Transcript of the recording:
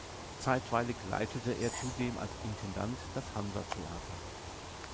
Zeitweilig leitete er zudem als Intendant das Hansa-Theater.